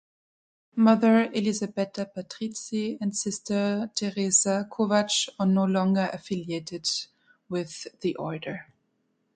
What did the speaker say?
Mother Elisabetta Patrizi and Sister Theresa Kovacs are no longer affiliated with the order.